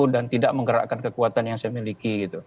dan tidak menggerakkan kekuatan yang saya miliki